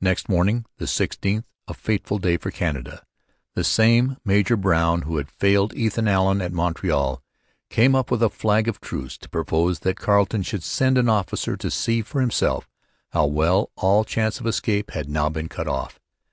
Next morning, the 16th, a fateful day for Canada, the same Major Brown who had failed Ethan Allen at Montreal came up with a flag of truce to propose that Carleton should send an officer to see for himself how well all chance of escape had now been cut off.